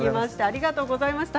ありがとうございます。